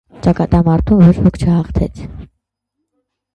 Ճակատամարտում ոչ ոք չհաղթեց։